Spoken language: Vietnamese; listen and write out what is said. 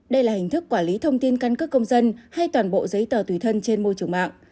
đây là hình thức quản lý thông tin căn cước công dân hay toàn bộ giấy tờ tùy thân trên môi trường mạng